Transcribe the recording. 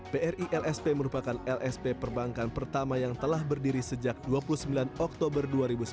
bri lsp merupakan lsp perbankan pertama yang telah berdiri sejak dua puluh sembilan oktober dua ribu sembilan belas